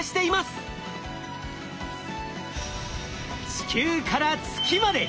地球から月まで！